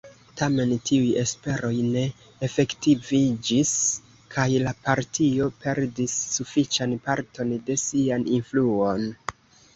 Tamen tiuj esperoj ne efektiviĝis kaj la partio perdis sufiĉan parton de sian influon.